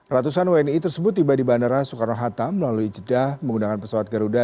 ratusan wni tersebut tiba di bandara soekarno hatta melalui jeddah menggunakan pesawat garuda